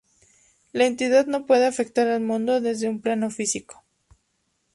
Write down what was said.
La entidad no puede afectar al mundo desde un plano físico.